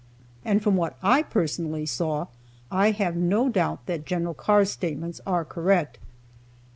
And from what I personally saw, I have no doubt that Gen. Carr's statements are correct.